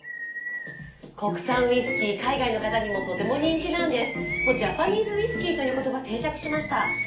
国産ウイスキー海外の方にもとても人気なんです。